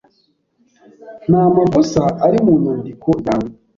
Nta makosa ari mu nyandiko yawe.